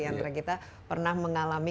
itu dari antara kita pernah mengalami